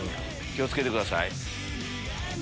気を付けてください。